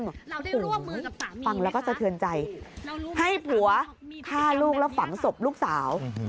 คุณคุณฟังแล้วก็ทื่นใจให้ผัวฆ่าลูกและฝังศพลูกศาล